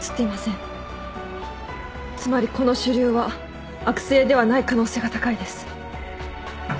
つまりこの腫瘤は悪性ではない可能性が高いです。